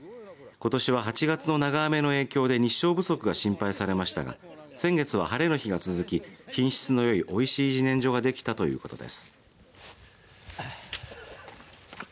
ことしは８月の長雨の影響で日照不足が心配されましたが先月は晴れの日が続き品質のよいおいしいじねんじょができたということです。